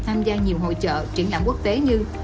tham gia nhiều hội trợ triển lãm quốc tế như